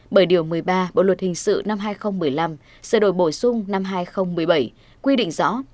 bởi điều một mươi ba bộ luật hình sự năm hai nghìn một mươi năm sửa đổi bổ sung năm hai nghìn một mươi bảy quy định rõ